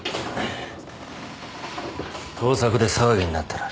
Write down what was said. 盗作で騒ぎになってる。